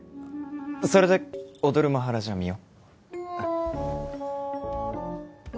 それで「踊るマハラジャ」見よ